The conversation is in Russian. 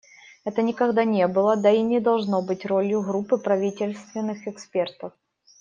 Это никогда не было, да и не должно быть ролью группы правительственных экспертов.